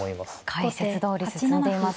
解説どおり進んでいます。